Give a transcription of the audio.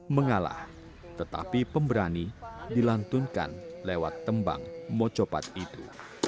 mengalah tetapi pemberani dilantunkan lewat tembang mocopat itu